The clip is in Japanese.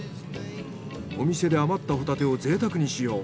お店で余ったホタテをぜいたくに使用。